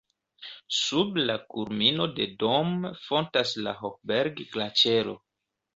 Sub la kulmino de Dom fontas la Hohberg-Glaĉero.